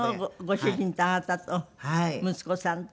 ご主人とあなたと息子さんと。